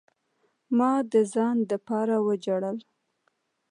ما د ځان د پاره وجړل.